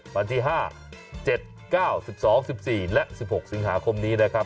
วันที่๕๗๙๑๒๑๔และ๑๖สิงหาคมนี้นะครับ